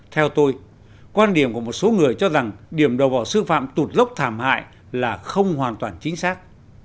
theo tôi quan điểm của một số người cho rằng điểm đầu vào sư phạm tụt dốc thảm hại là không hoàn toàn chính xác